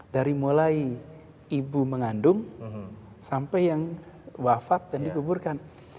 dari mulai ibu mengandung sampai yang wafat dan dikuburkan